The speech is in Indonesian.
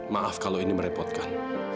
maaf kalau ini merepotkan